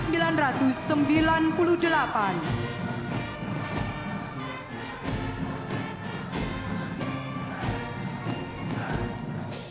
yang sehari harinya menjabat sebagai komandan brigade infantri mekanis enam postrat